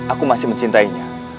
aku masih mencintainya